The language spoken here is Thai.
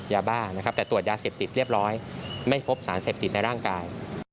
ยาบ้านะครับแต่ตรวจยาเสพติดเรียบร้อยไม่พบสารเสพติดในร่างกาย